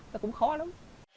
nó cũng khó lắm